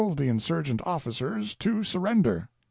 621 the insurgent officers to surrender.